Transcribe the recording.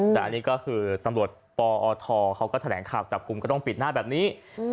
แต่อันนี้ก็คือตำรวจปอทเขาก็แถลงข่าวจับกลุ่มก็ต้องปิดหน้าแบบนี้